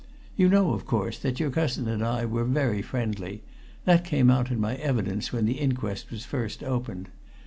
You know, of course, that your cousin and I were very friendly that came out in my evidence when the inquest was first opened.